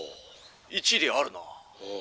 「一理あるな」。